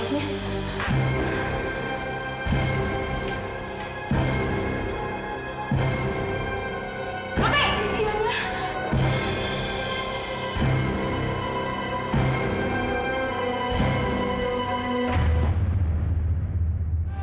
surat pmm pin belum